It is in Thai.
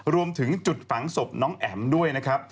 รวมถึงจุดฝังศพน้องแอ๋มด้วยนะครับ